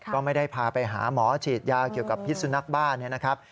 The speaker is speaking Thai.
ก็ไม่ได้พาไปหาหมอฉีดยาเกี่ยวกับพิษสุนัขบ้านเนี่ยนะครับ